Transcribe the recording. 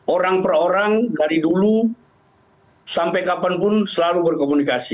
orang per orang dari dulu sampai kapanpun selalu berkomunikasi